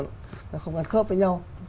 nó không gắn khớp với nhau